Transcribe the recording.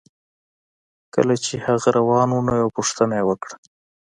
کله چې هغه روان و نو یوه پوښتنه یې وکړه